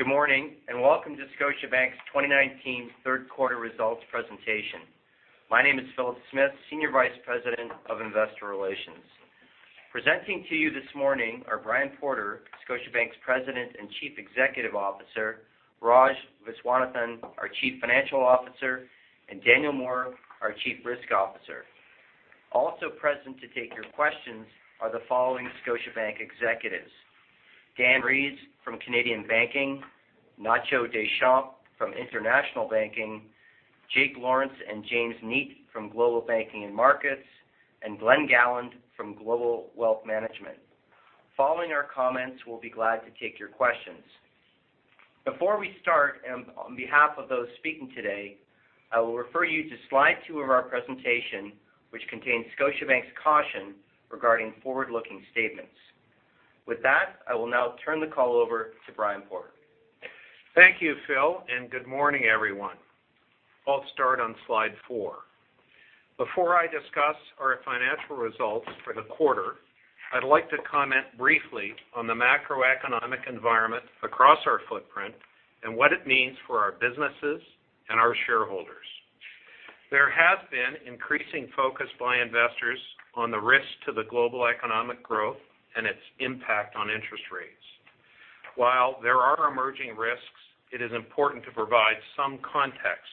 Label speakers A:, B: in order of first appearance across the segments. A: Good morning, welcome to Scotiabank's 2019 third quarter results presentation. My name is Philip Smith, Senior Vice President of Investor Relations. Presenting to you this morning are Brian Porter, Scotiabank's President and Chief Executive Officer, Raj Viswanathan, our Chief Financial Officer, and Daniel Moore, our Chief Risk Officer. Also present to take your questions are the following Scotiabank executives, Dan Rees from Canadian Banking, Ignacio Deschamps from International Banking, Jake Lawrence and James Neate from Global Banking and Markets, and Glen Gowland from Global Wealth Management. Following our comments, we'll be glad to take your questions. Before we start, on behalf of those speaking today, I will refer you to slide two of our presentation, which contains Scotiabank's caution regarding forward-looking statements. With that, I will now turn the call over to Brian Porter.
B: Thank you, Philip, and good morning, everyone. I'll start on slide four. Before I discuss our financial results for the quarter, I'd like to comment briefly on the macroeconomic environment across our footprint and what it means for our businesses and our shareholders. There has been increasing focus by investors on the risk to the global economic growth and its impact on interest rates. While there are emerging risks, it is important to provide some context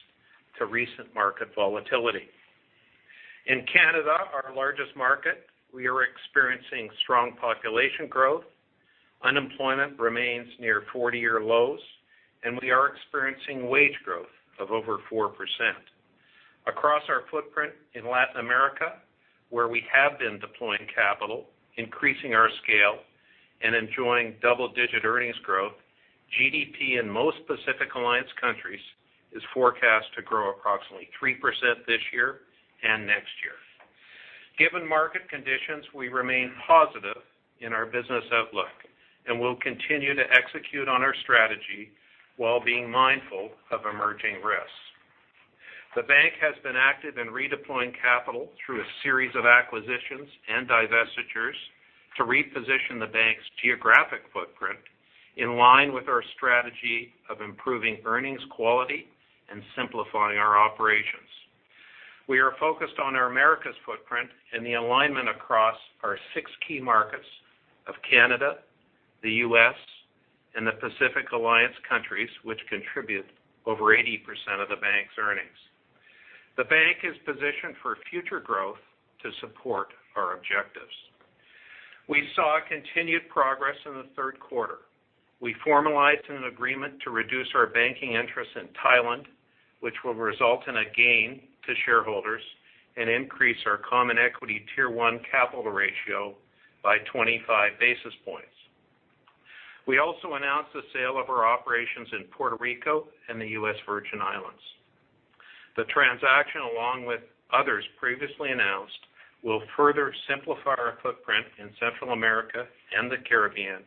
B: to recent market volatility. In Canada, our largest market, we are experiencing strong population growth. Unemployment remains near 40-year lows, and we are experiencing wage growth of over 4%. Across our footprint in Latin America, where we have been deploying capital, increasing our scale, and enjoying double-digit earnings growth, GDP in most Pacific Alliance countries is forecast to grow approximately 3% this year and next year. Given market conditions, we remain positive in our business outlook and will continue to execute on our strategy while being mindful of emerging risks. The bank has been active in redeploying capital through a series of acquisitions and divestitures to reposition the bank's geographic footprint in line with our strategy of improving earnings quality and simplifying our operations. We are focused on our Americas footprint and the alignment across our six key markets of Canada, the U.S., and the Pacific Alliance countries, which contribute over 80% of the bank's earnings. The bank is positioned for future growth to support our objectives. We saw a continued progress in the third quarter. We formalized an agreement to reduce our banking interest in Thailand, which will result in a gain to shareholders and increase our Common Equity Tier 1 capital ratio by 25 basis points. We also announced the sale of our operations in Puerto Rico and the U.S. Virgin Islands. The transaction, along with others previously announced, will further simplify our footprint in Central America and the Caribbean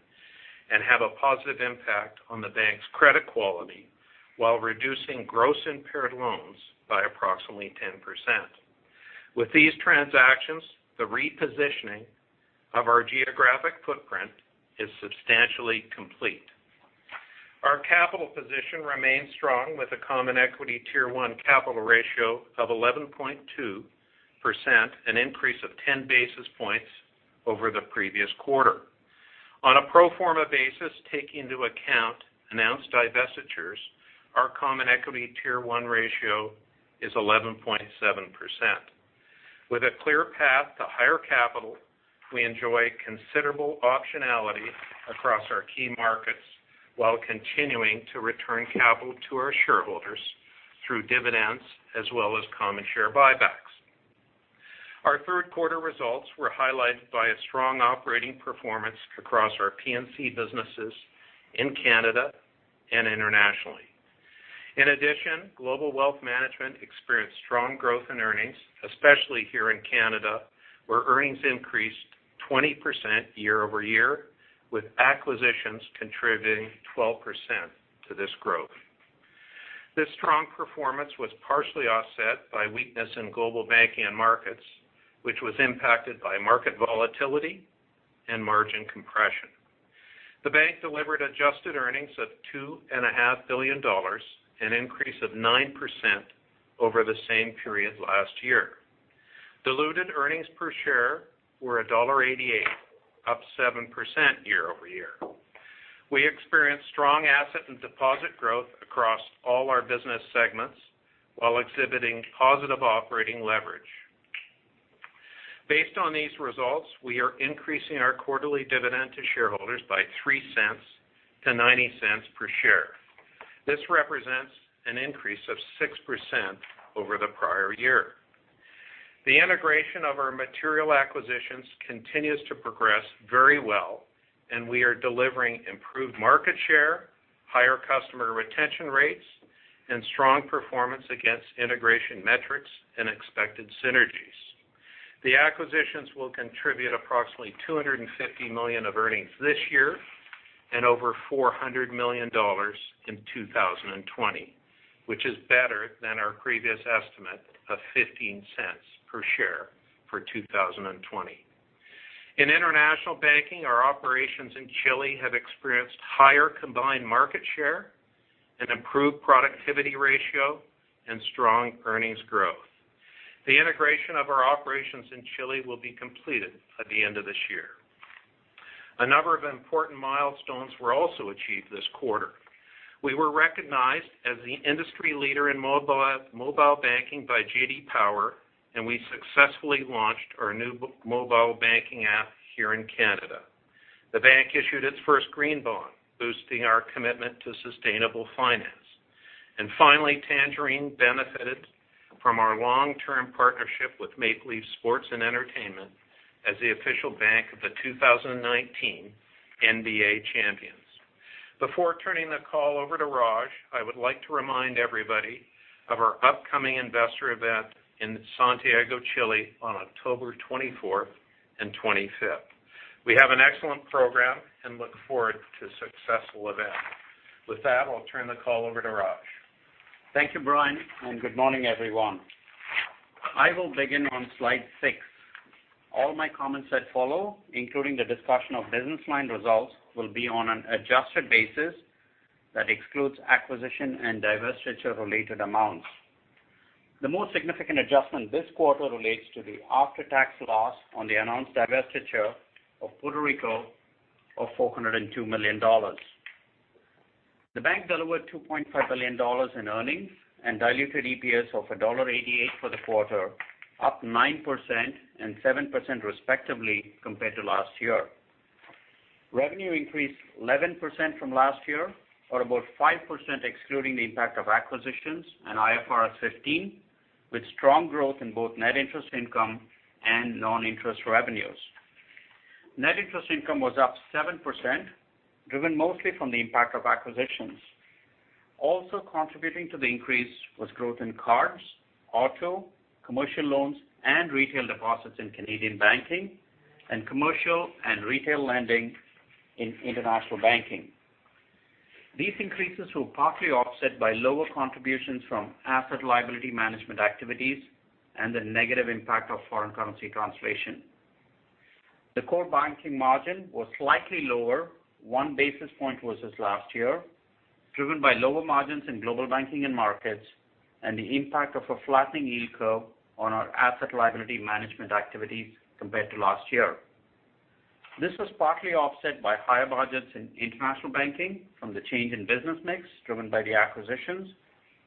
B: and have a positive impact on the bank's credit quality while reducing Gross Impaired Loans by approximately 10%. With these transactions, the repositioning of our geographic footprint is substantially complete. Our capital position remains strong with a Common Equity Tier 1 capital ratio of 11.2%, an increase of 10 basis points over the previous quarter. On a pro forma basis, taking into account announced divestitures, our Common Equity Tier 1 ratio is 11.7%. With a clear path to higher capital, we enjoy considerable optionality across our key markets while continuing to return capital to our shareholders through dividends as well as common share buybacks. Our third quarter results were highlighted by a strong operating performance across our P&C businesses in Canada and internationally. In addition, Global Wealth Management experienced strong growth in earnings, especially here in Canada, where earnings increased 20% year-over-year, with acquisitions contributing 12% to this growth. This strong performance was partially offset by weakness in Global Banking and Markets, which was impacted by market volatility and margin compression. The bank delivered adjusted earnings of 2.5 billion dollars, an increase of 9% over the same period last year. Diluted earnings per share were dollar 1.88, up 7% year-over-year. We experienced strong asset and deposit growth across all our business segments while exhibiting positive operating leverage. Based on these results, we are increasing our quarterly dividend to shareholders by 0.03 to 0.90 per share. This represents an increase of 6% over the prior year. The integration of our material acquisitions continues to progress very well, and we are delivering improved market share, higher customer retention rates, and strong performance against integration metrics and expected synergies. The acquisitions will contribute approximately 250 million of earnings this year. Over 400 million dollars in 2020, which is better than our previous estimate of 0.15 per share for 2020. In International Banking, our operations in Chile have experienced higher combined market share, an improved productivity ratio, and strong earnings growth. The integration of our operations in Chile will be completed at the end of this year. A number of important milestones were also achieved this quarter. We were recognized as the industry leader in mobile banking by J.D. Power, and we successfully launched our new mobile banking app here in Canada. The bank issued its first green bond, boosting our commitment to sustainable finance. Finally, Tangerine benefited from our long-term partnership with Maple Leaf Sports & Entertainment as the official bank of the 2019 NBA champions. Before turning the call over to Raj, I would like to remind everybody of our upcoming investor event in Santiago, Chile on October 24th and 25th. We have an excellent program and look forward to a successful event. With that, I'll turn the call over to Raj.
C: Thank you, Brian. Good morning, everyone. I will begin on slide six. All my comments that follow, including the discussion of business line results, will be on an adjusted basis that excludes acquisition and divestiture-related amounts. The most significant adjustment this quarter relates to the after-tax loss on the announced divestiture of Puerto Rico of 402 million dollars. The bank delivered 2.5 billion dollars in earnings and diluted EPS of dollar 1.88 for the quarter, up 9% and 7% respectively compared to last year. Revenue increased 11% from last year, or about 5% excluding the impact of acquisitions and IFRS 15, with strong growth in both Net Interest Income and non-interest revenues. Net Interest Income was up 7%, driven mostly from the impact of acquisitions. Also contributing to the increase was growth in cards, auto, commercial loans, and retail deposits in Canadian Banking, and commercial and retail lending in International Banking. These increases were partly offset by lower contributions from asset liability management activities and the negative impact of foreign currency translation. The core banking margin was slightly lower, 1 basis point versus last year, driven by lower margins in Global Banking and Markets and the impact of a flattening yield curve on our asset liability management activities compared to last year. This was partly offset by higher budgets in International Banking from the change in business mix driven by the acquisitions,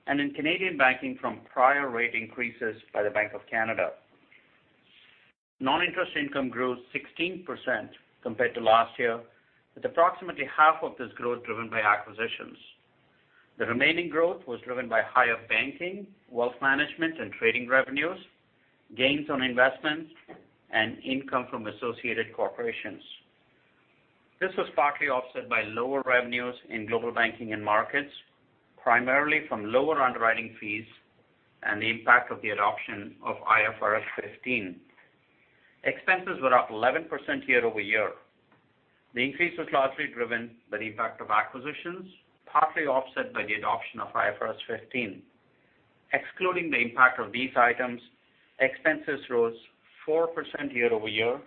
C: and in Canadian Banking from prior rate increases by the Bank of Canada. Non-interest income grew 16% compared to last year, with approximately half of this growth driven by acquisitions. The remaining growth was driven by higher banking, wealth management, and trading revenues, gains on investments, and income from associated corporations. This was partly offset by lower revenues in Global Banking and Markets, primarily from lower underwriting fees and the impact of the adoption of IFRS 15. Expenses were up 11% year-over-year. The increase was largely driven by the impact of acquisitions, partly offset by the adoption of IFRS 15. Excluding the impact of these items, expenses rose 4% year-over-year,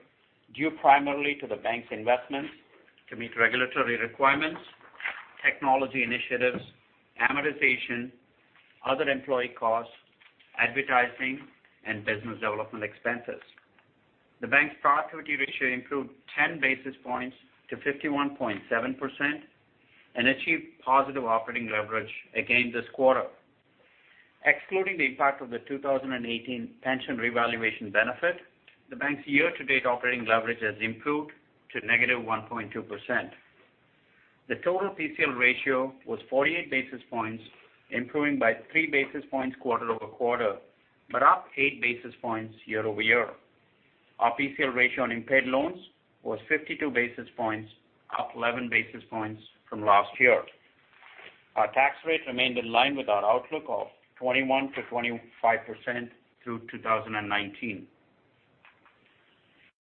C: due primarily to the bank's investments to meet regulatory requirements, technology initiatives, amortization, other employee costs, advertising, and business development expenses. The bank's productivity ratio improved 10 basis points to 51.7% and achieved positive operating leverage again this quarter. Excluding the impact of the 2018 pension revaluation benefit, the bank's year-to-date operating leverage has improved to -1.2%. The total PCL ratio was 48 basis points, improving by three basis points quarter-over-quarter, but up eight basis points year-over-year. Our PCL ratio on impaired loans was 52 basis points, up 11 basis points from last year. Our tax rate remained in line with our outlook of 21%-25% through 2019.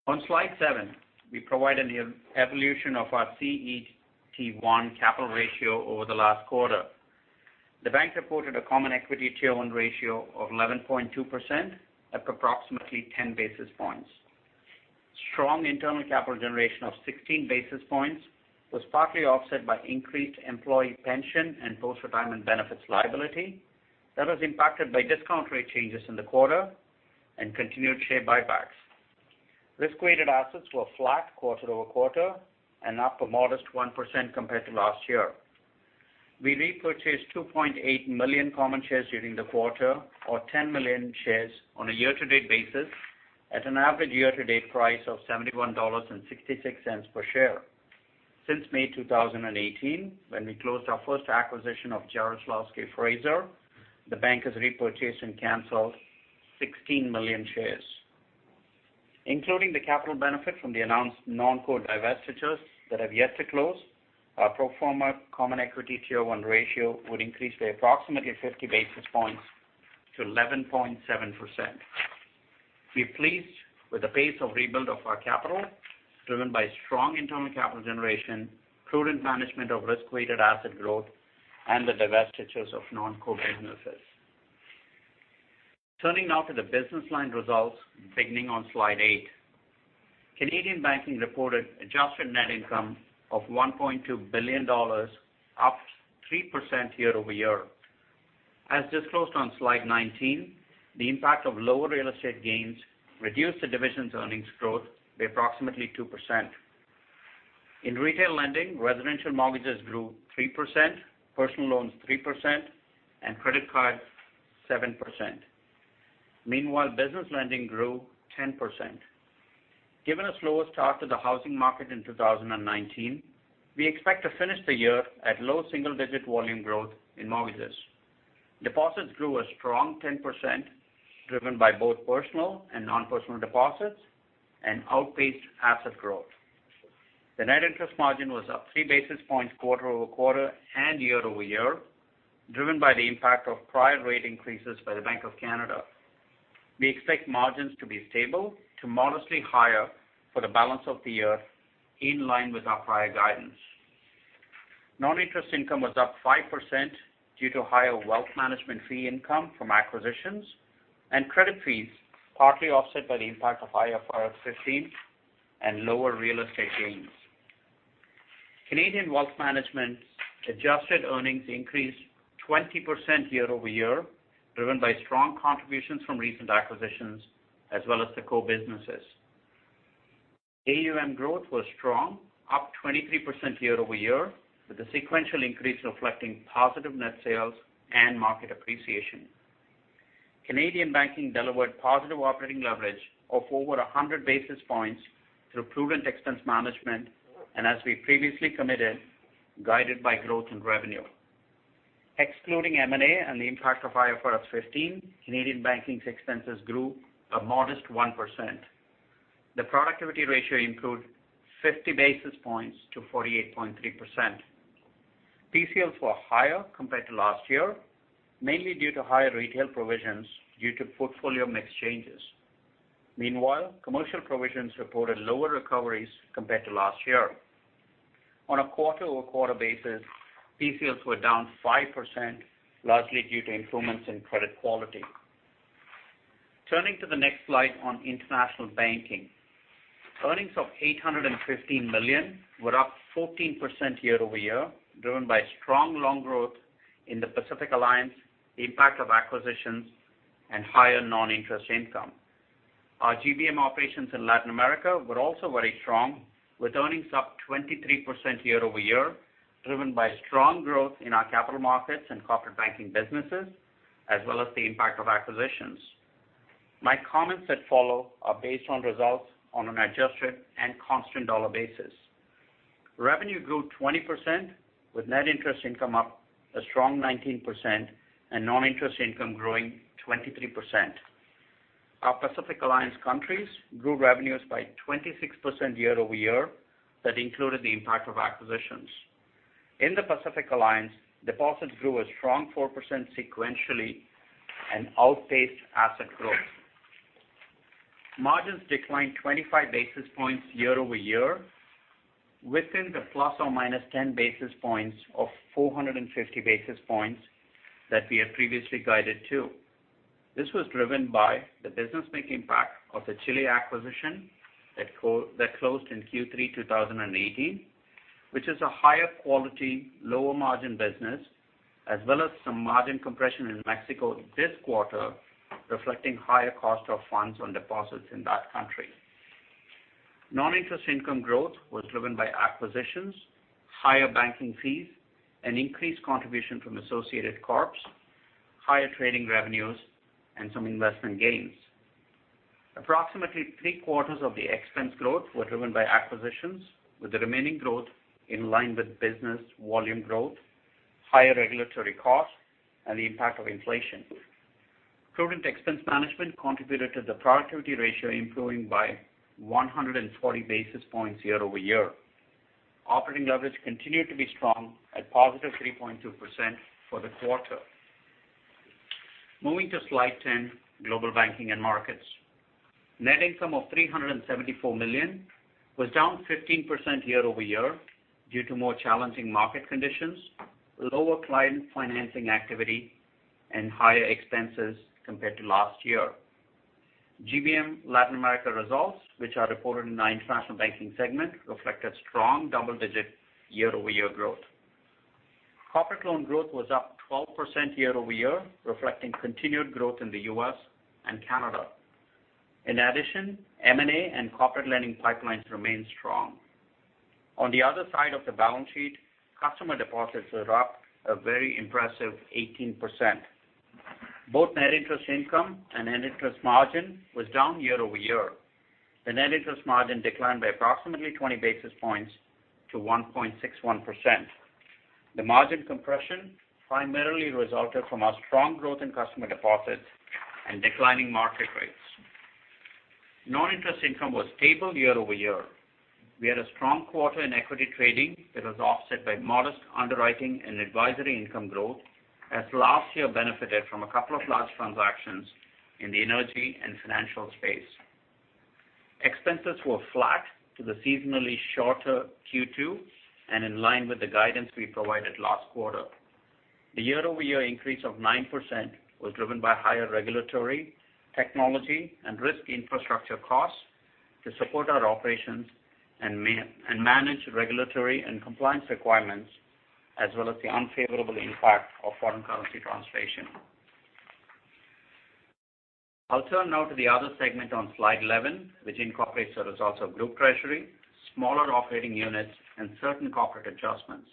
C: On slide seven, we provide an evolution of our CET1 capital ratio over the last quarter. The bank reported a Common Equity Tier 1 ratio of 11.2%, up approximately 10 basis points. Strong internal capital generation of 16 basis points was partly offset by increased employee pension and post-retirement benefits liability that was impacted by discount rate changes in the quarter and continued share buybacks. Risk-weighted assets were flat quarter-over-quarter and up a modest 1% compared to last year. We repurchased 2.8 million common shares during the quarter, or 10 million shares on a year-to-date basis, at an average year-to-date price of 71.66 dollars per share. Since May 2018, when we closed our first acquisition of Jarislowsky Fraser, the bank has repurchased and canceled 16 million shares. Including the capital benefit from the announced non-core divestitures that have yet to close, our pro forma Common Equity Tier 1 ratio would increase by approximately 50 basis points to 11.7%. We're pleased with the pace of rebuild of our capital, driven by strong internal capital generation, prudent management of risk-weighted asset growth, and the divestitures of non-core businesses. Turning now to the business line results, beginning on slide eight. Canadian Banking reported adjusted net income of 1.2 billion dollars, up 3% year-over-year. As disclosed on slide 19, the impact of lower real estate gains reduced the division's earnings growth by approximately 2%. In retail lending, residential mortgages grew 3%, personal loans 3%, and credit cards 7%. Meanwhile, business lending grew 10%. Given a slower start to the housing market in 2019, we expect to finish the year at low single-digit volume growth in mortgages. Deposits grew a strong 10%, driven by both personal and non-personal deposits, and outpaced asset growth. The net interest margin was up three basis points quarter-over-quarter and year-over-year, driven by the impact of prior rate increases by the Bank of Canada. We expect margins to be stable to modestly higher for the balance of the year, in line with our prior guidance. Non-interest income was up 5% due to higher wealth management fee income from acquisitions and credit fees, partly offset by the impact of IFRS 15 and lower real estate gains. Canadian wealth management's adjusted earnings increased 20% year-over-year, driven by strong contributions from recent acquisitions as well as the core businesses. AUM growth was strong, up 23% year-over-year, with the sequential increase reflecting positive net sales and market appreciation. Canadian Banking delivered positive operating leverage of over 100 basis points through prudent expense management, as we previously committed, guided by growth in revenue. Excluding M&A and the impact of IFRS 15, Canadian Banking's expenses grew a modest 1%. The productivity ratio improved 50 basis points to 48.3%. PCLs were higher compared to last year, mainly due to higher retail provisions due to portfolio mix changes. Commercial provisions reported lower recoveries compared to last year. On a quarter-over-quarter basis, PCLs were down 5%, largely due to improvements in credit quality. Turning to the next slide on International Banking. Earnings of 815 million were up 14% year-over-year, driven by strong loan growth in the Pacific Alliance, the impact of acquisitions, and higher non-interest income. Our GBM operations in Latin America were also very strong, with earnings up 23% year-over-year, driven by strong growth in our capital markets and corporate banking businesses, as well as the impact of acquisitions. My comments that follow are based on results on an adjusted and constant CAD dollar basis. Revenue grew 20%, with net interest income up a strong 19% and non-interest income growing 23%. Our Pacific Alliance countries grew revenues by 26% year-over-year. That included the impact of acquisitions. In the Pacific Alliance, deposits grew a strong 4% sequentially and outpaced asset growth. Margins declined 25 basis points year-over-year within the plus or minus 10 basis points of 450 basis points that we had previously guided to. This was driven by the business mix impact of the Chile acquisition that closed in Q3 2018, which is a higher-quality, lower-margin business, as well as some margin compression in Mexico this quarter, reflecting higher cost of funds on deposits in that country. Non-interest income growth was driven by acquisitions, higher banking fees, an increased contribution from associated corps, higher trading revenues, and some investment gains. Approximately three-quarters of the expense growth were driven by acquisitions, with the remaining growth in line with business volume growth, higher regulatory costs, and the impact of inflation. Prudent expense management contributed to the productivity ratio improving by 140 basis points year-over-year. Operating leverage continued to be strong at positive 3.2% for the quarter. Moving to slide 10, Global Banking and Markets. Net income of 374 million was down 15% year-over-year due to more challenging market conditions, lower client financing activity, and higher expenses compared to last year. GBM Latin America results, which are reported in the International Banking segment, reflected strong double-digit year-over-year growth. Corporate loan growth was up 12% year-over-year, reflecting continued growth in the U.S. and Canada. M&A and corporate lending pipelines remain strong. On the other side of the balance sheet, customer deposits were up a very impressive 18%. Both Net Interest Income and Net Interest Margin was down year-over-year. The Net Interest Margin declined by approximately 20 basis points to 1.61%. The margin compression primarily resulted from our strong growth in customer deposits and declining market rates. Non-interest income was stable year-over-year. We had a strong quarter in equity trading that was offset by modest underwriting and advisory income growth as last year benefited from a couple of large transactions in the energy and financial space. Expenses were flat to the seasonally shorter Q2 and in line with the guidance we provided last quarter. The year-over-year increase of 9% was driven by higher regulatory, technology, and risk infrastructure costs to support our operations and manage regulatory and compliance requirements, as well as the unfavorable impact of foreign currency translation. I'll turn now to the other segment on slide 11, which incorporates the results of group treasury, smaller operating units, and certain corporate adjustments.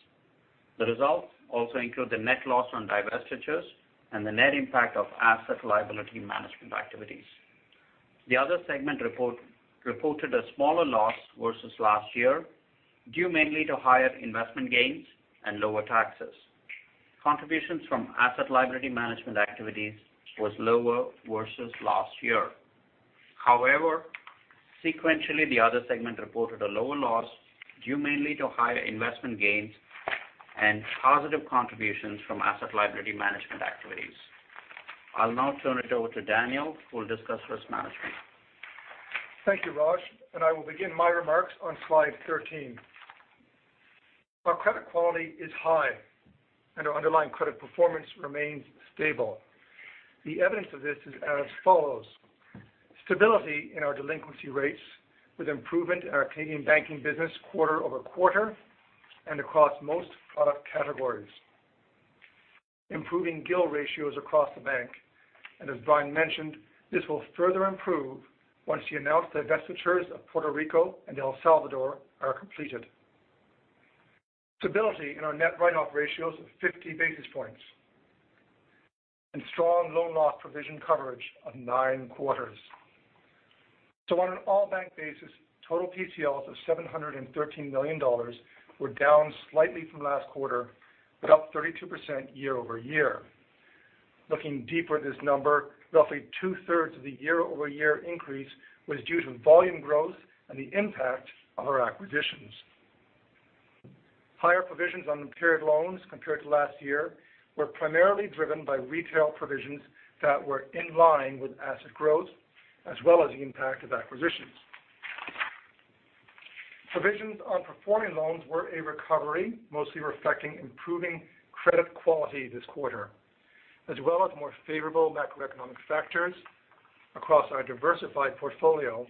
C: The results also include the net loss on divestitures and the net impact of asset liability management activities. The other segment reported a smaller loss versus last year, due mainly to higher investment gains and lower taxes. Contributions from asset liability management activities was lower versus last year. However, sequentially, the other segment reported a lower loss due mainly to higher investment gains and positive contributions from asset liability management activities. I'll now turn it over to Daniel, who will discuss risk management.
D: Thank you, Raj. I will begin my remarks on slide 13. Our credit quality is high, and our underlying credit performance remains stable. The evidence of this is as follows: stability in our delinquency rates with improvement in our Canadian Banking business quarter-over-quarter and across most product categories. Improving GIL ratios across the bank. As Brian mentioned, this will further improve once the announced divestitures of Puerto Rico and El Salvador are completed. Stability in our net write-off ratios of 50 basis points, and strong loan loss provision coverage of nine quarters. On an all-bank basis, total PCLs of 713 million dollars were down slightly from last quarter, but up 32% year-over-year. Looking deeper at this number, roughly two-thirds of the year-over-year increase was due to volume growth and the impact of our acquisitions. Higher provisions on impaired loans compared to last year were primarily driven by retail provisions that were in line with asset growth, as well as the impact of acquisitions. Provisions on performing loans were a recovery, mostly reflecting improving credit quality this quarter, as well as more favorable macroeconomic factors across our diversified portfolio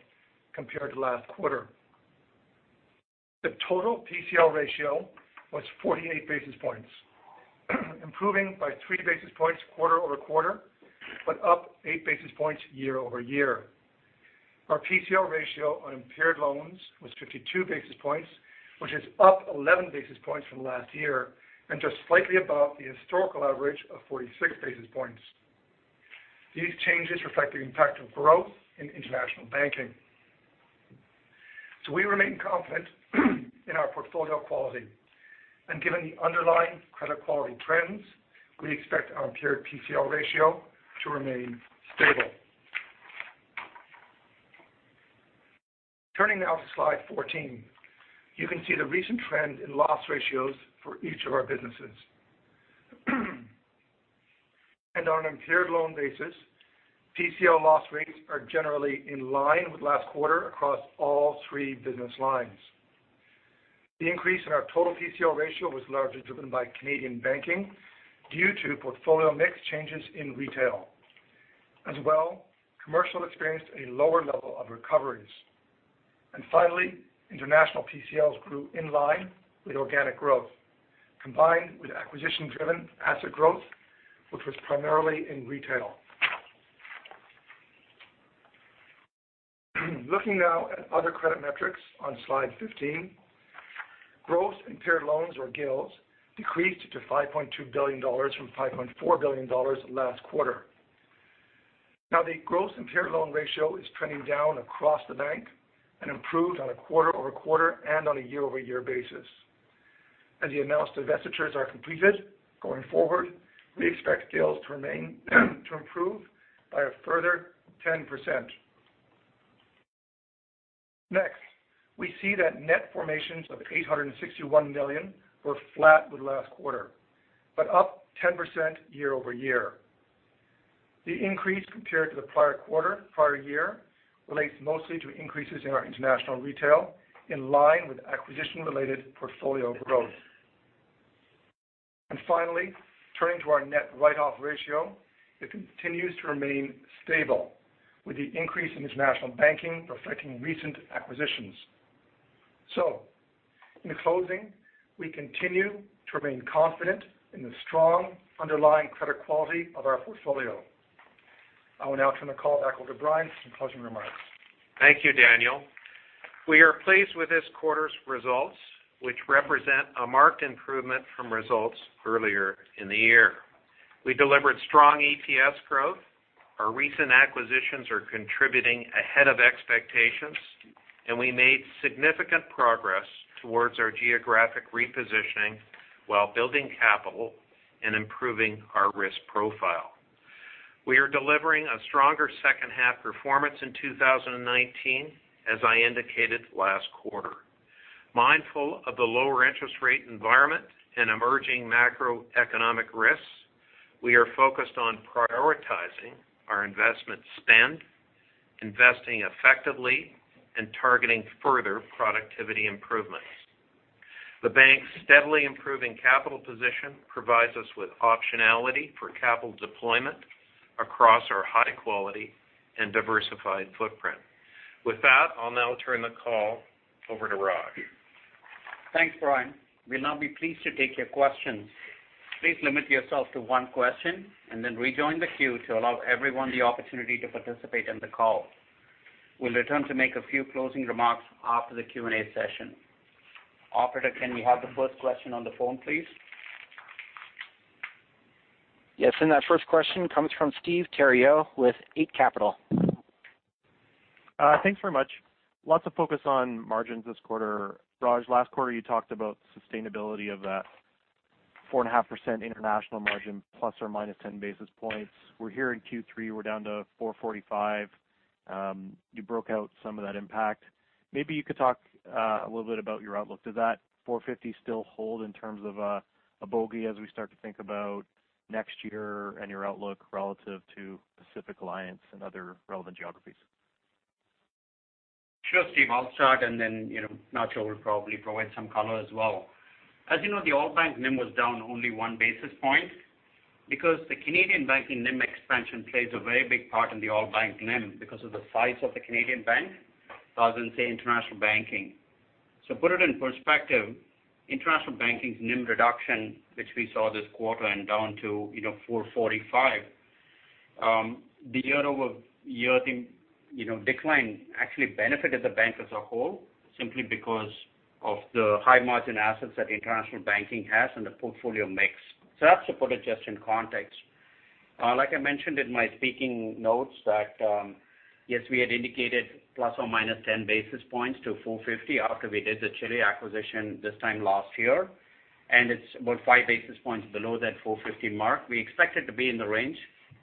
D: compared to last quarter. The total PCL ratio was 48 basis points, improving by three basis points quarter-over-quarter, but up eight basis points year-over-year. Our PCL ratio on impaired loans was 52 basis points, which is up 11 basis points from last year and just slightly above the historical average of 46 basis points. These changes reflect the impact of growth in International Banking. We remain confident in our portfolio quality. Given the underlying credit quality trends, we expect our impaired PCL ratio to remain stable. Turning now to slide 14. You can see the recent trend in loss ratios for each of our businesses. On an impaired loan basis, PCL loss rates are generally in line with last quarter across all three business lines. The increase in our total PCL ratio was largely driven by Canadian Banking due to portfolio mix changes in retail. As well, commercial experienced a lower level of recoveries. Finally, International PCLs grew in line with organic growth, combined with acquisition-driven asset growth, which was primarily in retail. Looking now at other credit metrics on slide 15. Gross Impaired Loans or GILs decreased to 5.2 billion dollars from 5.4 billion dollars last quarter. Now the Gross Impaired Loan ratio is trending down across the bank and improved on a quarter-over-quarter and on a year-over-year basis. As the announced divestitures are completed going forward, we expect GILs to improve by a further 10%. Next, we see that net formations of 861 million were flat with last quarter, but up 10% year-over-year. The increase compared to the prior year relates mostly to increases in our international retail in line with acquisition-related portfolio growth. Finally, turning to our net write-off ratio, it continues to remain stable with the increase in International Banking reflecting recent acquisitions. In closing, we continue to remain confident in the strong underlying credit quality of our portfolio. I will now turn the call back over to Brian for some closing remarks.
B: Thank you, Daniel. We are pleased with this quarter's results, which represent a marked improvement from results earlier in the year. We delivered strong EPS growth. Our recent acquisitions are contributing ahead of expectations, and we made significant progress towards our geographic repositioning while building capital and improving our risk profile. We are delivering a stronger second half performance in 2019, as I indicated last quarter. Mindful of the lower interest rate environment and emerging macroeconomic risks, we are focused on prioritizing our investment spend, investing effectively and targeting further productivity improvements. The bank's steadily improving capital position provides us with optionality for capital deployment across our high quality and diversified footprint. With that, I'll now turn the call over to Raj.
C: Thanks, Brian. We'll now be pleased to take your questions. Please limit yourself to one question and then rejoin the queue to allow everyone the opportunity to participate in the call. We'll return to make a few closing remarks after the Q&A session. Operator, can we have the first question on the phone, please?
E: Yes. That first question comes from Steve Theriault with Eight Capital.
F: Thanks very much. Lots of focus on margins this quarter. Raj, last quarter, you talked about sustainability of that 4.5% international margin, plus or minus 10 basis points. We're here in Q3, we're down to 4.45. You broke out some of that impact. Maybe you could talk a little bit about your outlook. Does that 4.50 still hold in terms of a bogey as we start to think about next year and your outlook relative to Pacific Alliance and other relevant geographies?
C: Sure, Steve, I'll start and then Nacho will probably provide some color as well. As you know, the all bank NIM was down only 1 basis point because the Canadian Banking NIM expansion plays a very big part in the all bank NIM because of the size of the Canadian bank rather than, say, International Banking. Put it in perspective, International Banking's NIM reduction, which we saw this quarter and down to 4.45. The year-over-year decline actually benefited the bank as a whole, simply because of the high margin assets that International Banking has and the portfolio mix. That's to put it just in context. Like I mentioned in my speaking notes that, yes, we had indicated plus or minus 10 basis points to 4.50 after we did the Chile acquisition this time last year, and it's about 5 basis points below that 4.50 mark. We expect it to be in the range.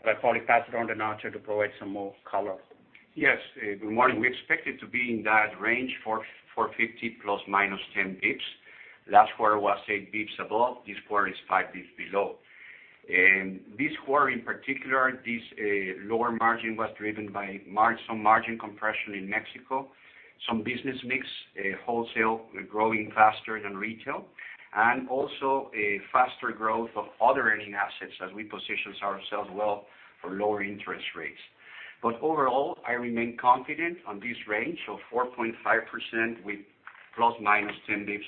C: I'll probably pass it on to Nacho to provide some more color.
G: Yes. Good morning. We expect it to be in that range, 450 bps plus or minus 10 bps. Last quarter was 8 bps above. This quarter is 5 bps below. This quarter in particular, this lower margin was driven by some margin compression in Mexico, some business mix, wholesale growing faster than retail, and also a faster growth of other earning assets as we position ourselves well for lower interest rates. Overall, I remain confident on this range of 4.5% with plus or minus 10 bps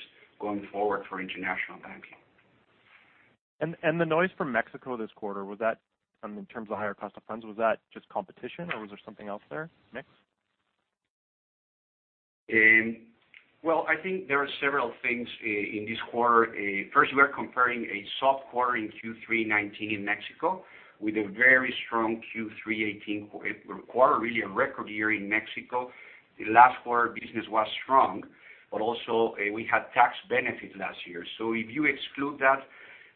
G: going forward for International Banking.
F: The noise from Mexico this quarter was that in terms of higher cost of funds, was that just competition or was there something else there, mix?
G: Well, I think there are several things in this quarter. First, we are comparing a soft quarter in Q3 2019 in Mexico with a very strong Q3 2018 quarter, really a record year in Mexico. The last quarter business was strong, also we had tax benefits last year. If you exclude that,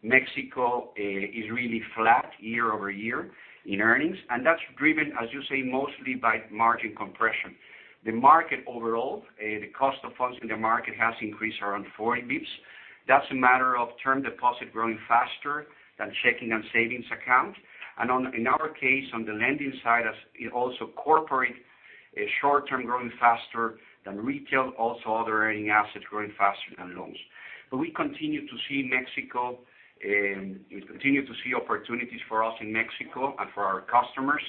G: Mexico is really flat year-over-year in earnings. That's driven, as you say, mostly by margin compression. The market overall, the cost of funds in the market has increased around 40 basis points. That's a matter of term deposit growing faster than checking and savings account. In our case, on the lending side, also corporate short-term growing faster than retail. Also, other earning assets growing faster than loans. We continue to see opportunities for us in Mexico and for our customers.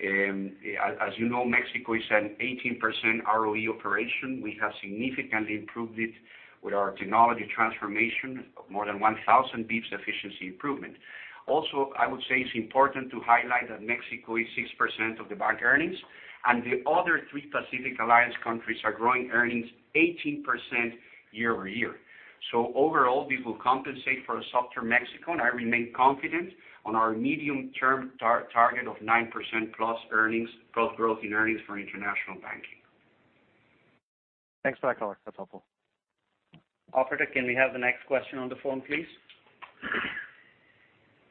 G: As you know, Mexico is an 18% ROE operation. We have significantly improved it with our technology transformation of more than 1,000 basis points efficiency improvement. I would say it's important to highlight that Mexico is 6% of the bank earnings and the other three Pacific Alliance countries are growing earnings 18% year-over-year. Overall, this will compensate for a softer Mexico and I remain confident on our medium-term target of 9% plus growth in earnings for International Banking.
F: Thanks for that color. That's helpful.
C: Operator, can we have the next question on the phone, please?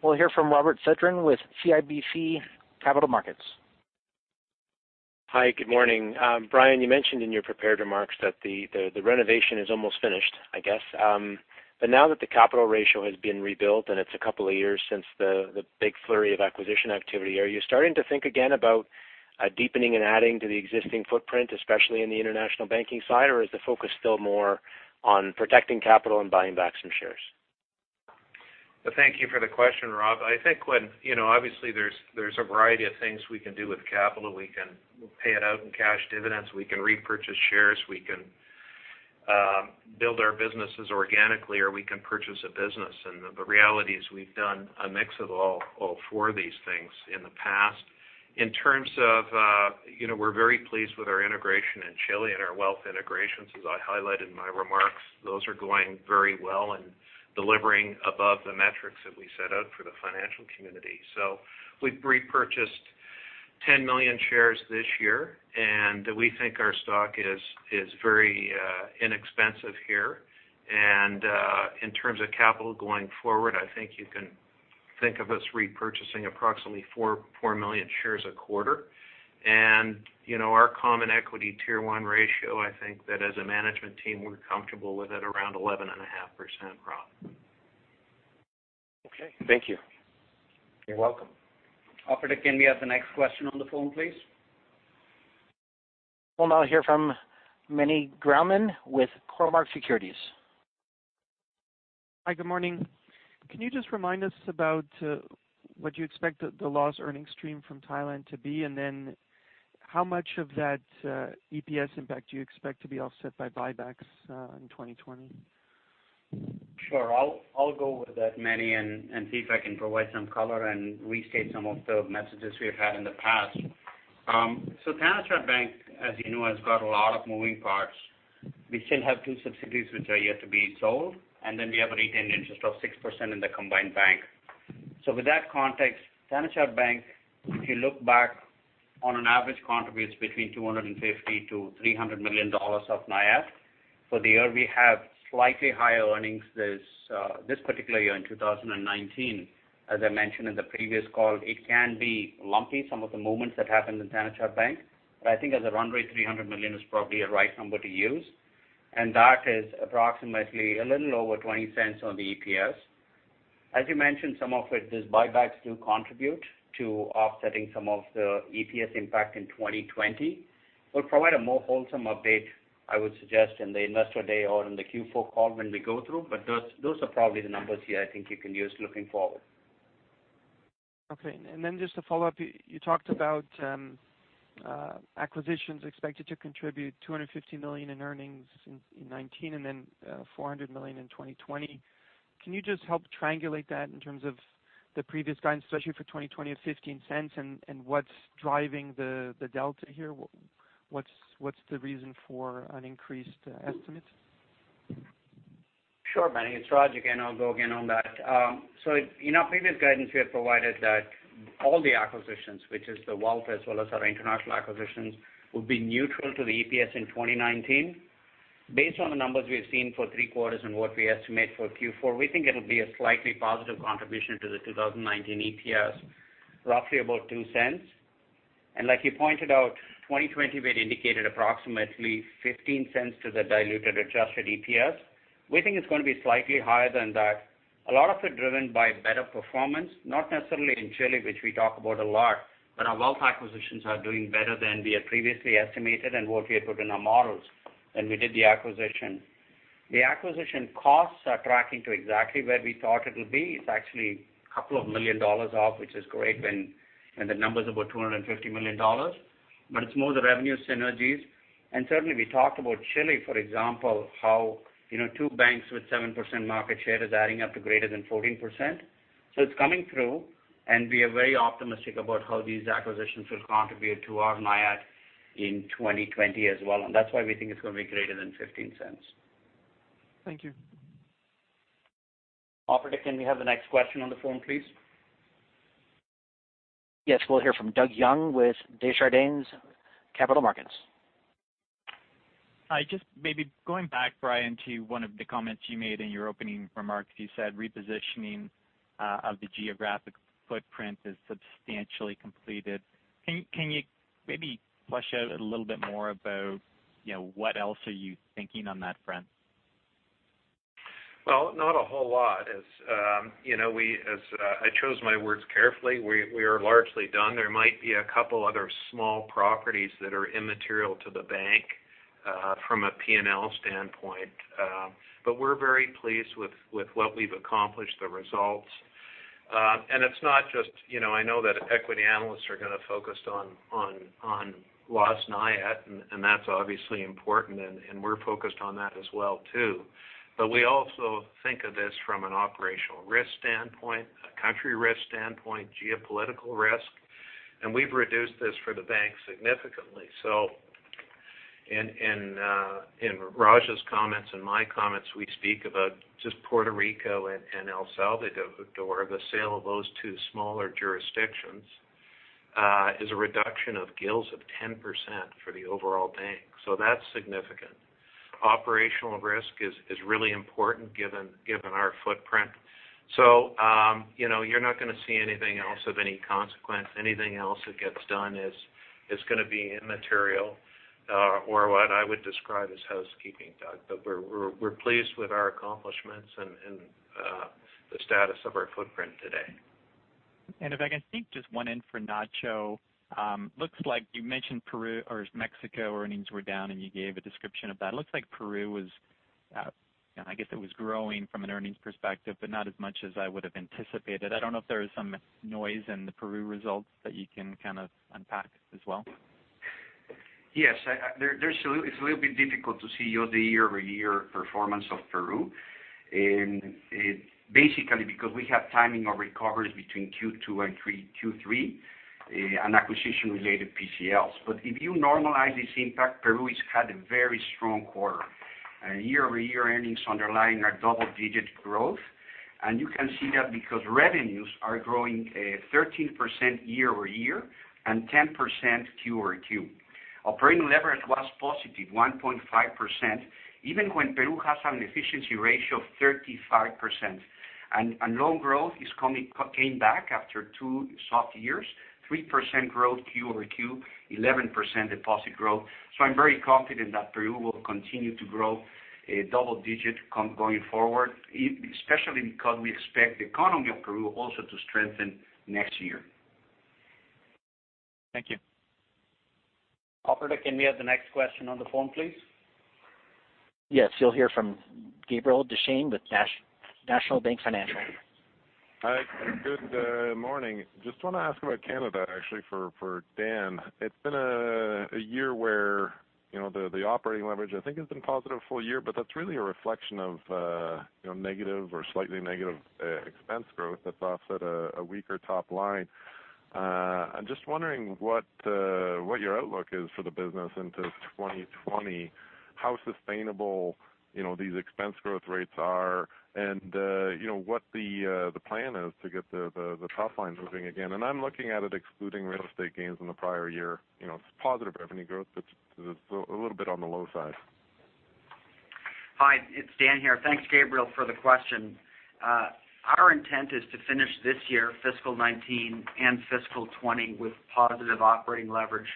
E: We'll hear from Robert Sedran with CIBC Capital Markets.
H: Hi. Good morning. Brian, you mentioned in your prepared remarks that the renovation is almost finished, I guess. Now that the capital ratio has been rebuilt and it's a couple of years since the big flurry of acquisition activity, are you starting to think again about deepening and adding to the existing footprint, especially in the International Banking side? Is the focus still more on protecting capital and buying back some shares?
B: Thank you for the question, Rob. I think, obviously there's a variety of things we can do with capital. We can pay it out in cash dividends, we can repurchase shares, we can build our businesses organically or we can purchase a business. The reality is we've done a mix of all four of these things in the past. We're very pleased with our integration in Chile and our wealth integrations, as I highlighted in my remarks. Those are going very well and delivering above the metrics that we set out for the financial community. We've repurchased 10 million shares this year. We think our stock is very inexpensive here. In terms of capital going forward, I think you can think of us repurchasing approximately four million shares a quarter. Our Common Equity Tier 1 ratio, I think that as a management team, we're comfortable with it around 11.5%, Rob.
H: Okay. Thank you.
B: You're welcome.
C: Operator, can we have the next question on the phone, please?
E: We'll now hear from Meny Grauman with Cormark Securities.
I: Hi, good morning. Can you just remind us about what you expect the loss earnings stream from Thailand to be, and then how much of that EPS impact do you expect to be offset by buybacks in 2020?
C: Sure. I'll go with that, Meny, and see if I can provide some color and restate some of the messages we've had in the past. Thanachart Bank, as you know, has got a lot of moving parts. We still have two subsidiaries which are yet to be sold. We have a retained interest of 6% in the combined bank. With that context, Thanachart Bank, if you look back on an average, contributes between 250 million to 300 million dollars of NIAT. For the year, we have slightly higher earnings this particular year in 2019. As I mentioned in the previous call, it can be lumpy, some of the movements that happened in Thanachart Bank. I think as a runway, 300 million is probably a right number to use. That is approximately a little over 0.20 on the EPS. As you mentioned, some of it is buybacks do contribute to offsetting some of the EPS impact in 2020. We'll provide a more wholesome update, I would suggest, in the Investor Day or in the Q4 call when we go through, but those are probably the numbers here I think you can use looking forward.
I: Okay. Just to follow up, you talked about acquisitions expected to contribute 250 million in earnings in 2019 and then 400 million in 2020. Can you just help triangulate that in terms of the previous guidance, especially for 2020 of 0.15 and what's driving the delta here? What's the reason for an increased estimate?
C: Sure, Meny. It's Raj again. I'll go again on that. In our previous guidance, we had provided that all the acquisitions, which is the wealth as well as our international acquisitions, will be neutral to the EPS in 2019. Based on the numbers we've seen for three quarters and what we estimate for Q4, we think it'll be a slightly positive contribution to the 2019 EPS, roughly about 0.02. Like you pointed out, 2020 we had indicated approximately 0.15 to the diluted adjusted EPS. We think it's going to be slightly higher than that. A lot of it driven by better performance, not necessarily in Chile, which we talk about a lot, but our wealth acquisitions are doing better than we had previously estimated and what we had put in our models when we did the acquisition. The acquisition costs are tracking to exactly where we thought it'll be. It's actually a couple of million dollars off, which is great when the number's about 250 million dollars. It's more the revenue synergies. Certainly, we talked about Chile, for example, how two banks with 7% market share is adding up to greater than 14%. It's coming through, and we are very optimistic about how these acquisitions will contribute to our EPS in 2020 as well, and that's why we think it's going to be greater than 0.15.
I: Thank you.
C: Operator, can we have the next question on the phone, please?
E: Yes. We'll hear from Doug Young with Desjardins Capital Markets.
J: Hi. Maybe going back, Brian, to one of the comments you made in your opening remarks. You said repositioning of the geographic footprint is substantially completed. Can you maybe flesh out a little bit more about what else are you thinking on that front?
B: Not a whole lot. I chose my words carefully. We are largely done. There might be a couple other small properties that are immaterial to the bank from a P&L standpoint. We're very pleased with what we've accomplished, the results. I know that equity analysts are going to focus on loss NII, and that's obviously important, and we're focused on that as well too. We also think of this from an operational risk standpoint, a country risk standpoint, geopolitical risk, and we've reduced this for the bank significantly. In Raj's comments and my comments, we speak about just Puerto Rico and El Salvador. The sale of those two smaller jurisdictions is a reduction of GILS of 10% for the overall bank. That's significant. Operational risk is really important given our footprint. You're not going to see anything else of any consequence. Anything else that gets done is going to be immaterial or what I would describe as housekeeping, Doug. We're pleased with our accomplishments and the status of our footprint today.
J: If I can sneak just one in for Nacho. Looks like you mentioned Mexico earnings were down, and you gave a description of that. It looks like Peru was, I guess it was growing from an earnings perspective, but not as much as I would've anticipated. I don't know if there is some noise in the Peru results that you can kind of unpack as well.
G: Yes. It's a little bit difficult to see year-over-year performance of Peru. Because we have timing of recoveries between Q2 and Q3, and acquisition-related PCLs. If you normalize this impact, Peru has had a very strong quarter. Year-over-year earnings underlying our double-digit growth. You can see that because revenues are growing at 13% year-over-year and 10% Q-over-Q. Operating leverage was positive 1.5%, even when Peru has an efficiency ratio of 35%. Loan growth came back after two soft years, 3% growth Q-over-Q, 11% deposit growth. I'm very confident that Peru will continue to grow double digit going forward, especially because we expect the economy of Peru also to strengthen next year.
J: Thank you.
C: Operator, can we have the next question on the phone, please?
E: Yes, you'll hear from Gabriel Dechaine with National Bank Financial.
K: Hi, good morning. Just want to ask about Canada actually for Dan. It's been a year where the operating leverage I think has been positive full year, but that's really a reflection of negative or slightly negative expense growth that's offset a weaker top line. I'm just wondering what your outlook is for the business into 2020, how sustainable these expense growth rates are and what the plan is to get the top line moving again. I'm looking at it excluding real estate gains in the prior year. It's positive revenue growth, but it's a little bit on the low side.
L: Hi, it's Dan here. Thanks, Gabriel, for the question. Our intent is to finish this year fiscal 2019 and fiscal 2020 with positive operating leverage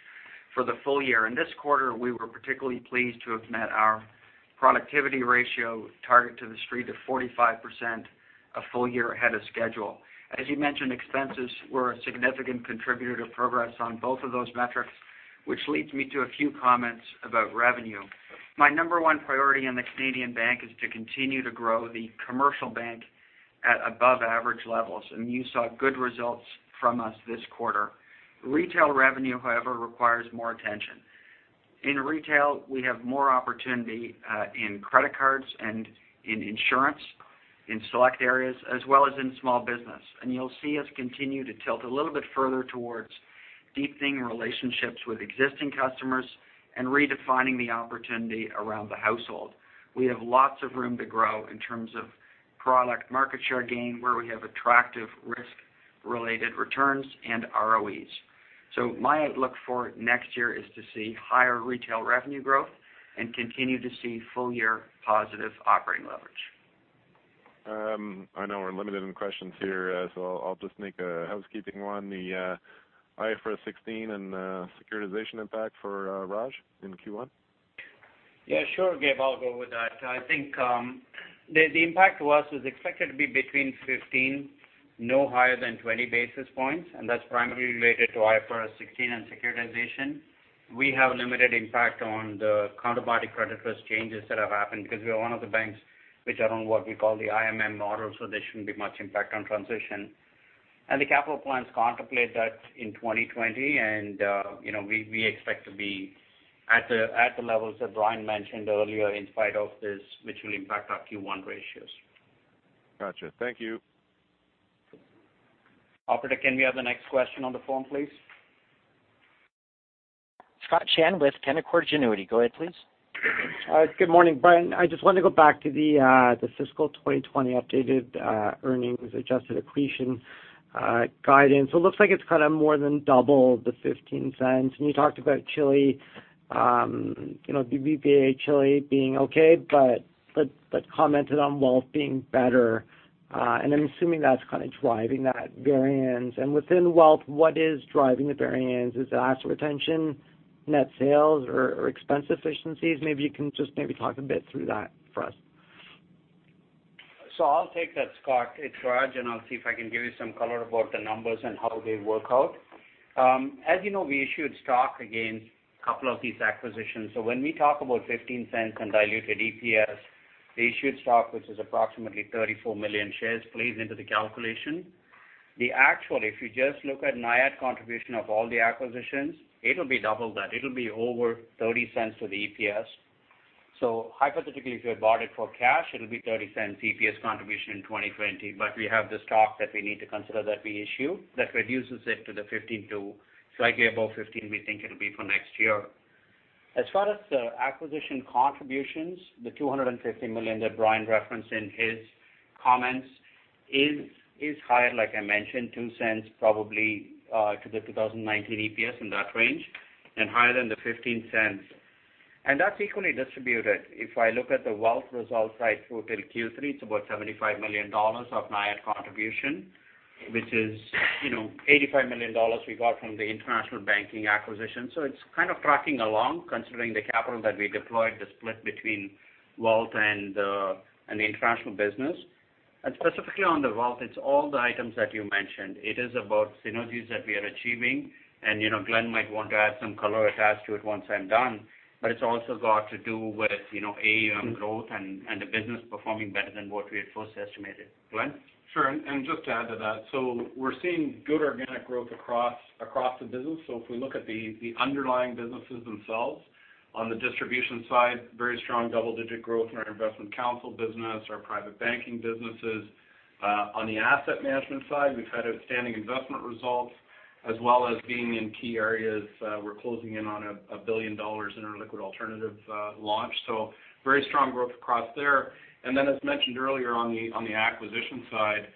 L: for the full year. In this quarter, we were particularly pleased to have met our productivity ratio target to the street of 45% a full year ahead of schedule. As you mentioned, expenses were a significant contributor to progress on both of those metrics, which leads me to a few comments about revenue. My number one priority on the Canadian Banking is to continue to grow the commercial bank at above average levels, and you saw good results from us this quarter. Retail revenue, however, requires more attention. In retail, we have more opportunity in credit cards and in insurance in select areas, as well as in small business. You'll see us continue to tilt a little bit further towards deepening relationships with existing customers and redefining the opportunity around the household. We have lots of room to grow in terms of product market share gain where we have attractive risk-related returns and ROEs. My outlook for next year is to see higher retail revenue growth and continue to see full year positive operating leverage.
K: I know we're limited in questions here, so I'll just make a housekeeping one. The IFRS 16 and securitization impact for Raj in Q1.
C: Yeah, sure Gab, I'll go with that. I think the impact to us was expected to be between 15, no higher than 20 basis points. That's primarily related to IFRS 16 and securitization. We have limited impact on the counterparty credit risk changes that have happened because we are one of the banks which are on what we call the IMM model. There shouldn't be much impact on transition. The capital plans contemplate that in 2020 and we expect to be at the levels that Brian mentioned earlier in spite of this, which will impact our Q1 ratios.
K: Got you. Thank you.
C: Operator, can we have the next question on the phone, please?
E: Scott Chan with Canaccord Genuity. Go ahead, please.
M: Good morning. Brian, I just wanted to go back to the fiscal 2020 updated earnings adjusted accretion guidance. It looks like it's kind of more than double the 0.15. You talked about Chile, BBVA Chile being okay, but commented on wealth being better. I'm assuming that's kind of driving that variance. Within wealth, what is driving the variance? Is it asset retention, net sales or expense efficiencies? Maybe you can just talk a bit through that for us.
C: I'll take that, Scott. It's Raj, and I'll see if I can give you some color about the numbers and how they work out. As you know, we issued stock against a couple of these acquisitions. When we talk about 0.15 and diluted EPS, the issued stock, which is approximately 34 million shares, plays into the calculation. The actual, if you just look at NIAT contribution of all the acquisitions, it'll be double that. It'll be over 0.30 to the EPS. Hypothetically, if you had bought it for cash, it'll be 0.30 EPS contribution in 2020. We have the stock that we need to consider that we issued that reduces it to the 0.15 to slightly above 0.15 we think it'll be for next year. As far as the acquisition contributions, the 250 million that Brian referenced in his comments is higher, like I mentioned, 0.02 probably to the 2019 EPS in that range and higher than the 0.15. That's equally distributed. If I look at the wealth results right through till Q3, it's about 75 million dollars of NIAT contribution, which is 85 million dollars we got from the International Banking acquisition. It's kind of tracking along considering the capital that we deployed, the split between wealth and the International Business. Specifically on the wealth, it's all the items that you mentioned. It is about synergies that we are achieving. Glen might want to add some color attached to it once I'm done, it's also got to do with AUM growth and the business performing better than what we had first estimated. Glen?
N: Sure. Just to add to that, we're seeing good organic growth across the business. If we look at the underlying businesses themselves on the distribution side, very strong double-digit growth in our investment council business, our private banking businesses. On the asset management side, we've had outstanding investment results. As well as being in key areas. We're closing in on 1 billion dollars in our liquid alternative launch. Very strong growth across there. As mentioned earlier on the acquisition side,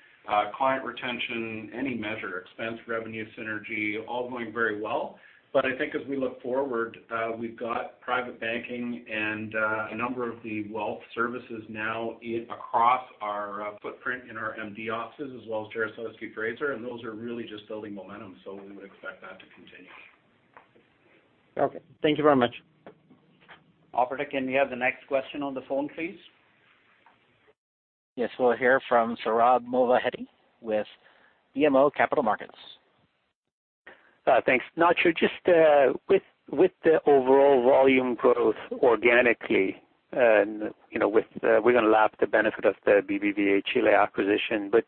N: client retention, any measure, expense, revenue, synergy, all going very well. I think as we look forward, we've got private banking and a number of the wealth services now across our footprint in our MD offices as well as Jarislowsky Fraser, and those are really just building momentum. We would expect that to continue.
M: Okay. Thank you very much.
C: Operator, can we have the next question on the phone, please?
E: Yes, we'll hear from Sohrab Movahedi with BMO Capital Markets.
O: Thanks. Nacho, just with the overall volume growth organically, and we're going to lap the benefit of the BBVA Chile acquisition, but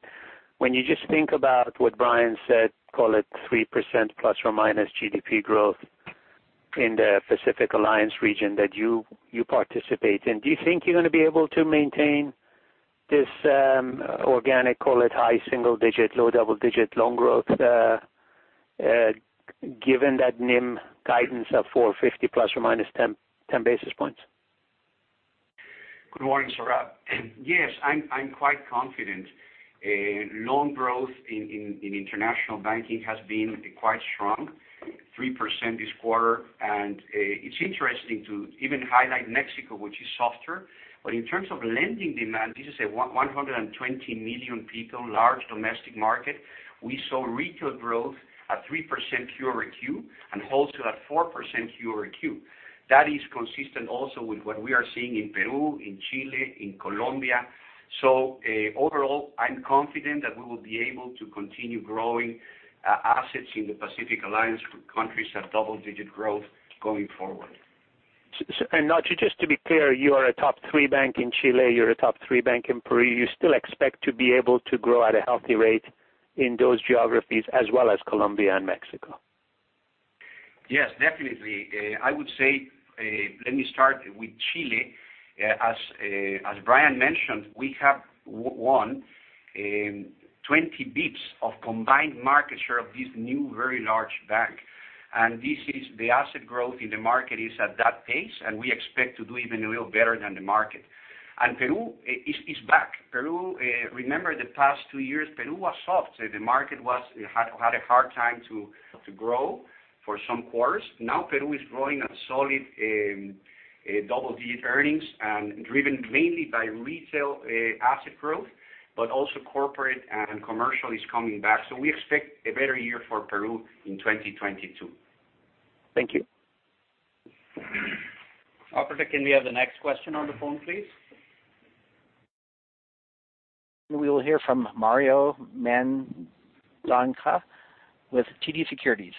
O: when you just think about what Brian said, call it 3% ± GDP growth in the Pacific Alliance region that you participate in, do you think you're going to be able to maintain this organic, call it high single digit, low double digit loan growth given that NIM guidance of 450 ± 10 basis points?
G: Good morning, Sohrab. Yes, I'm quite confident. Loan growth in International Banking has been quite strong, 3% this quarter. It's interesting to even highlight Mexico, which is softer. In terms of lending demand, this is a 120 million people, large domestic market. We saw retail growth at 3% Q-over-Q and wholesale at 4% Q-over-Q. That is consistent also with what we are seeing in Peru, in Chile, in Colombia. Overall, I'm confident that we will be able to continue growing assets in the Pacific Alliance countries at double-digit growth going forward.
O: Nacho, just to be clear, you are a top three bank in Chile, you're a top three bank in Peru. You still expect to be able to grow at a healthy rate in those geographies as well as Colombia and Mexico.
G: Yes, definitely. I would say, let me start with Chile. As Brian mentioned, we have won 20 basis points of combined market share of this new very large bank. The asset growth in the market is at that pace, and we expect to do even a little better than the market. Peru is back. Remember the past two years, Peru was soft. The market had a hard time to grow for some quarters. Now Peru is growing at solid double-digit earnings and driven mainly by retail asset growth, but also corporate and commercial is coming back. We expect a better year for Peru in 2022.
O: Thank you.
C: Operator, can we have the next question on the phone, please?
E: We will hear from Mario Mendonca with TD Securities.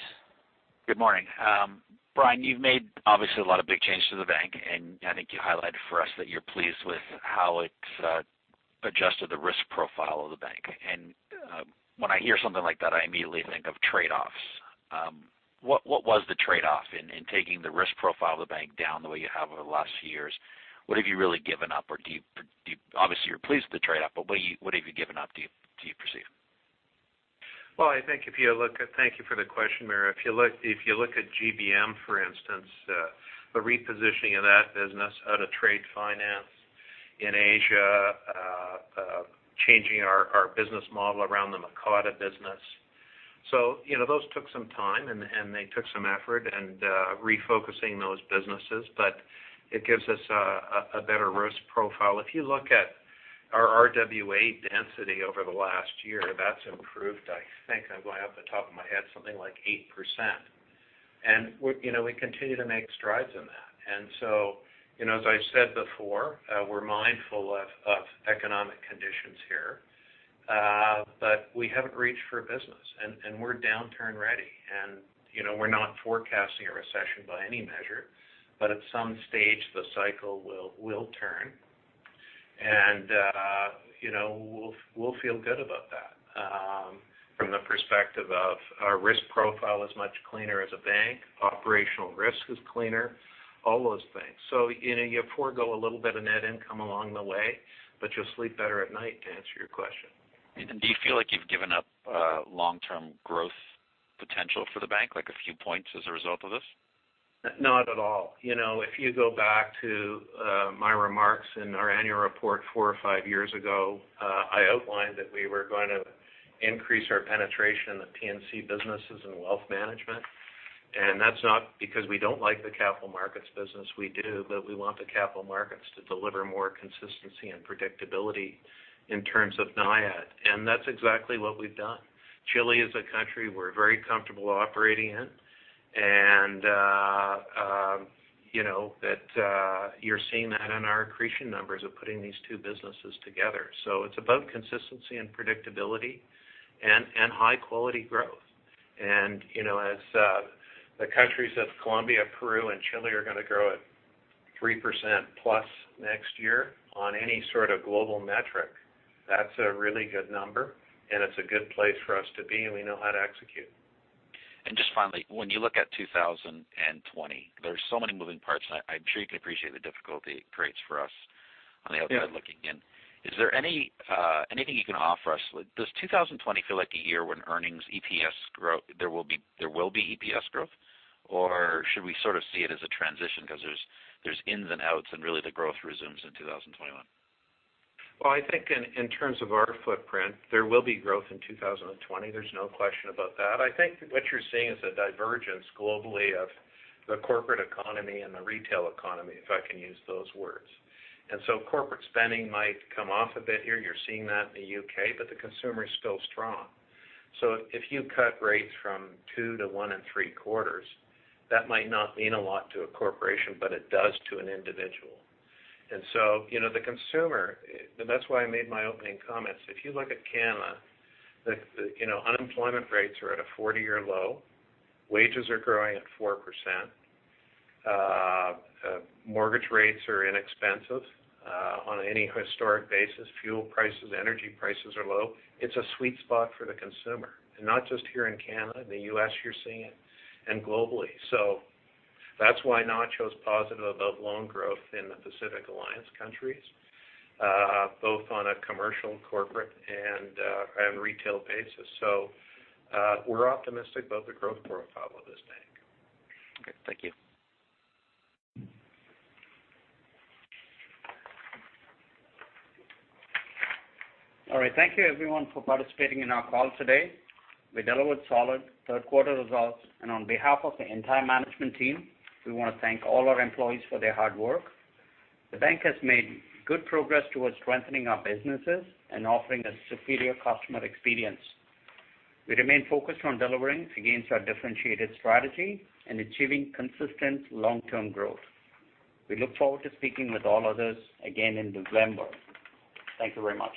P: Good morning. Brian, you've made obviously a lot of big changes to the bank, and I think you highlighted for us that you're pleased with how it's adjusted the risk profile of the bank. When I hear something like that, I immediately think of trade-offs. What was the trade-off in taking the risk profile of the bank down the way you have over the last few years? What have you really given up? Obviously, you're pleased with the trade-off, but what have you given up, do you perceive?
B: Well, thank you for the question, Mario. If you look at GBM, for instance, the repositioning of that business out of trade finance in Asia, changing our business model around the Mocatta business. Those took some time, and they took some effort and refocusing those businesses, but it gives us a better risk profile. If you look at our RWA density over the last year, that's improved, I think, off the top of my head, something like 8%. We continue to make strides in that. As I've said before, we're mindful of economic conditions here, but we haven't reached for business, and we're downturn ready. We're not forecasting a recession by any measure, but at some stage, the cycle will turn. We'll feel good about that from the perspective of our risk profile is much cleaner as a bank, operational risk is cleaner, all those things. You forego a little bit of net income along the way, but you'll sleep better at night, to answer your question.
P: Do you feel like you've given up long-term growth potential for the bank, like a few points as a result of this?
B: Not at all. If you go back to my remarks in our annual report four or five years ago, I outlined that we were going to increase our penetration in the P&C businesses and wealth management. That's not because we don't like the capital markets business, we do, but we want the capital markets to deliver more consistency and predictability in terms of NIAT. That's exactly what we've done. Chile is a country we're very comfortable operating in. You're seeing that in our accretion numbers of putting these two businesses together. It's about consistency and predictability and high-quality growth. As the countries of Colombia, Peru, and Chile are going to grow at 3% plus next year on any sort of global metric, that's a really good number, and it's a good place for us to be, and we know how to execute.
P: Just finally, when you look at 2020, there's so many moving parts, and I'm sure you can appreciate the difficulty it creates for us. On the outside looking in, is there anything you can offer us? Does 2020 feel like a year when earnings, there will be EPS growth? Should we sort of see it as a transition because there's ins and outs and really the growth resumes in 2021?
B: Well, I think in terms of our footprint, there will be growth in 2020. There's no question about that. I think what you're seeing is a divergence globally of the corporate economy and the retail economy, if I can use those words. Corporate spending might come off a bit here. You're seeing that in the U.K., the consumer is still strong. If you cut rates from two to one and three-quarters, that might not mean a lot to a corporation, but it does to an individual. The consumer, and that's why I made my opening comments. If you look at Canada, unemployment rates are at a 40-year low. Wages are growing at 4%. Mortgage rates are inexpensive on any historic basis. Fuel prices, energy prices are low. It's a sweet spot for the consumer, and not just here in Canada. In the U.S. you're seeing it, globally. That's why Nacho's positive about loan growth in the Pacific Alliance countries, both on a commercial, corporate, and retail basis. We're optimistic about the growth profile of this bank.
P: Okay. Thank you.
C: All right. Thank you everyone for participating in our call today. We delivered solid third quarter results, and on behalf of the entire management team, we want to thank all our employees for their hard work. The bank has made good progress towards strengthening our businesses and offering a superior customer experience. We remain focused on delivering against our differentiated strategy and achieving consistent long-term growth. We look forward to speaking with all others again in November. Thank you very much.